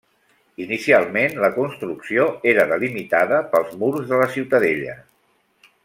Inicialment, la construcció era delimitada pels murs de la ciutadella.